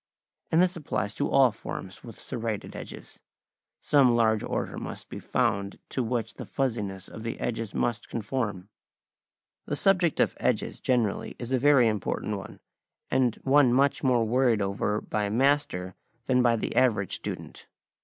And this applies to all forms with serrated edges: some large order must be found to which the fussiness of the edges must conform. The subject of edges generally is a very important one, and one much more worried over by a master than by the average student.